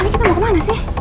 ini kita mau kemana sih